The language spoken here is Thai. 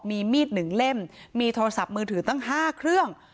มีมีดหนึ่งเล่มมีโทรศัพท์มือถือตั้ง๕เครื่อง